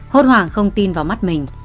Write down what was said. hốt hoảng không tin vào mắt mình